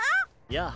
やあ。